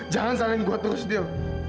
jangan salahin gue terus dil